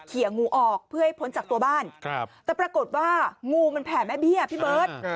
เขียนงูออกเพื่อให้พ้นจากตัวบ้านแต่ปรากฏว่างูมันแผ่แม่เบี้ยพี่เบิร์ต